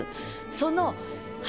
その。